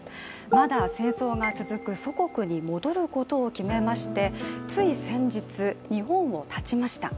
まだ戦争が続く祖国に戻ることを決めましてつい先日、日本をたちました。